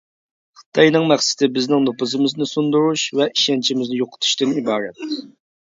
خىتاينىڭ مەقسىتى بىزنىڭ نوپۇزىمىزنى سۇندۇرۇش ۋە ئىشەنچىمىزنى يوقىتىشتىن ئىبارەت.